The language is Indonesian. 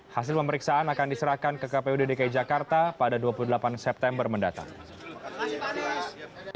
hasil pemeriksaan akan diserahkan ke kpud dki jakarta pada dua puluh delapan september mendatang